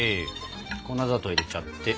粉砂糖入れちゃって。